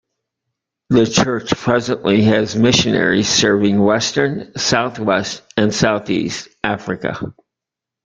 The church presently has missionaries serving Western, Southwest and Southeast Africa.